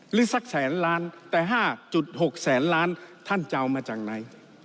สักแสนล้านแต่๕๖แสนล้านท่านจะเอามาจากไหน